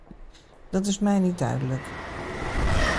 Dat is mij niet duidelijk.